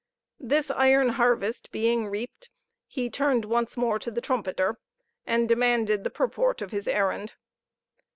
This iron harvest being reaped, he turned once more to the trumpeter, and demanded the purport of his errand.